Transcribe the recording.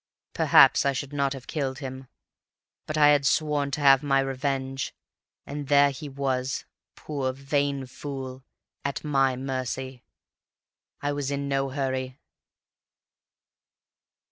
Perhaps I should not have killed him, but I had sworn to have my revenge—and there he was, poor vain fool, at my mercy. I was in no hurry.